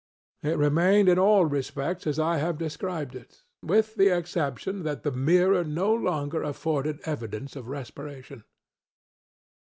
It remained in all respects as I have last described it, with the exception that the mirror no longer afforded evidence of respiration.